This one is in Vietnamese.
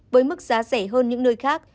với mức giá rẻ hơn những nơi khác